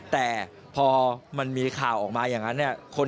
แต่พอมันมีข่าวออกมาอย่างนั้นเนี่ย